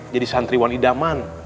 jadi santriwan idaman